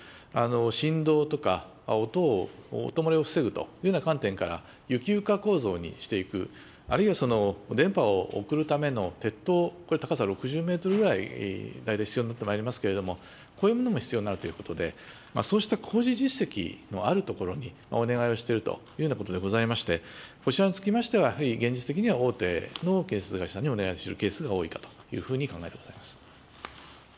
振動とか音を、音漏れを防ぐというような観点から、浮き床構造にしていく、あるいは電波を送るための鉄塔、これ、高さ６０メートルぐらい、大体必要になってまいりますけれども、こういうものも必要になるということで、そうした工事実績のあるところにお願いをしているというようなことでございまして、こちらにつきましては、やはり現実的には、大手の建設会社にお願いしているケースが多いかというふうに考えてございます。